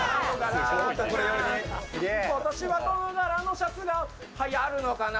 今年はどの柄のシャツがはやるのかな